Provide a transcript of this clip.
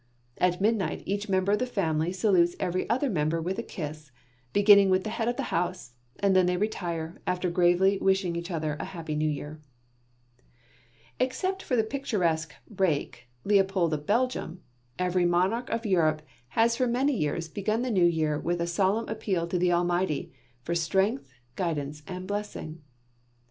At midnight, each member of the family salutes every other member with a kiss, beginning with the head of the house, and then they retire, after gravely wishing each other a Happy New Year. Except that picturesque rake, Leopold of Belgium, every monarch of Europe has for many years begun the New Year with a solemn appeal to the Almighty, for strength, guidance, and blessing.